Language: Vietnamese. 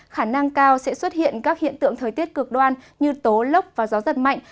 khả năng cao sẽ xuất hiện các hiện tượng thời tiết cực đoan như tố lốc và gió giật mạnh